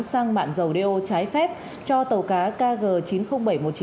sang mạng dầu đeo trái phép cho tàu cá kg chín mươi nghìn bảy trăm một mươi chín